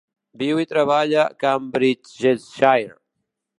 Viu i treballa a Cambridgeshire.